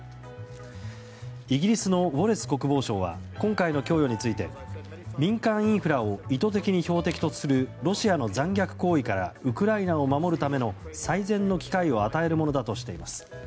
イギリスのウォレス国防相は今回の供与について民間インフラを意図的に標的とするロシアの残虐行為からウクライナを守るための最善の機会を与えるものだとしています。